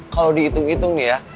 kalau diitung itung nih ya